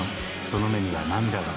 その目には涙が